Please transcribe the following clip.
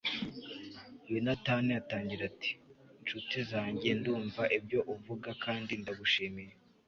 yonatani atangira ati 'nshuti zanjye,' 'ndumva ibyo uvuga kandi ndagushimiye